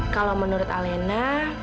kalau menurut alena